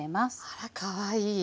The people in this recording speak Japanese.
あらかわいい！